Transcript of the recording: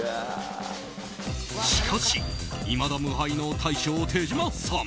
しかし、いまだ無敗の大将・手島さん。